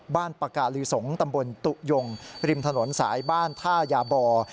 บ้านปากาลือสงศ์ตำบลตุยงศ์ริมถนนสายบ้านท่ายาบอร์